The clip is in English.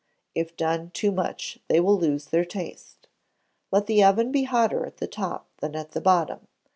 If done too much they will lose their taste. Let the oven be hotter at the top than at the bottom.